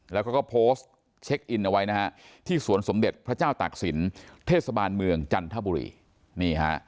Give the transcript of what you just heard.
แล้วก็โพสต์เช็คอินเอาไว้นะฮะที่สวนสมเด็จพระเจ้าตากศิลป์เทศบาลเมืองจันทบุรีนี่ฮะ